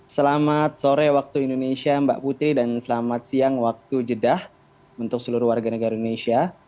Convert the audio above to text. selamat sore waktu indonesia mbak putri dan selamat siang waktu jeddah untuk seluruh warga negara indonesia